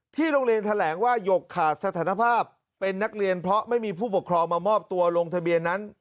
โรงเรียนแถลงว่าหยกขาดสถานภาพเป็นนักเรียนเพราะไม่มีผู้ปกครองมามอบตัวลงทะเบียนนั้น